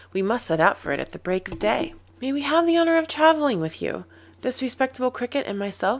We must set out for it at the break of day.' 'May we have the honour of travelling with you—this respectable Cricket and myself?